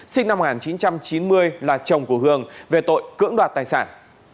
sinh năm một nghìn chín trăm chín mươi là chồng của hường về tội cưỡng đoạt tài sản